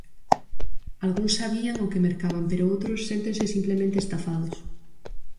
Algúns sabían o que mercaban pero outros séntense simplemente "estafados".